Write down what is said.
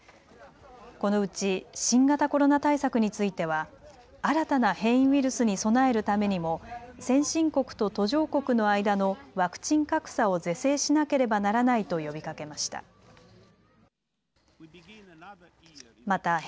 このうち新型コロナ対策については新たな変異ウイルスに備えるためにも先進国と途上国の間のワクチン格差を是正しなければならないと呼びかけました。